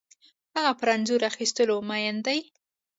هغه پر انځور اخیستلو مین ده